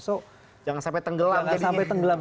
so jangan sampai tenggelam